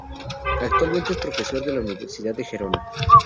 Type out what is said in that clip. Actualmente es profesor de la Universidad de Gerona.